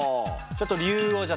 ちょっと理由を。